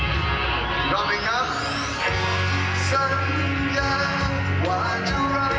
อีกเพลงหนึ่งครับนี้ให้สนสารเฉพาะเลย